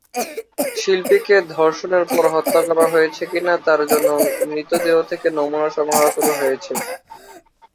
শিল্পীকে ধর্ষণের পর হত্যা করা হয়েছে কিনা তার জন্য মৃতদেহ থেকে নমুনা সংগ্রহ করা হয়েছে।